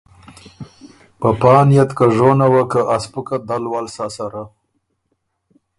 په پا نئت که ژونه وه که ا سپُکه دل ول سَۀ سره